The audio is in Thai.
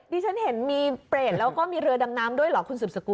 ฉันเห็นมีเปรตแล้วก็มีเรือดำน้ำด้วยเหรอคุณสืบสกุล